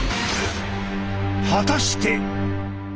果たして。